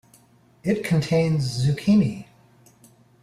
It contains Zucchini.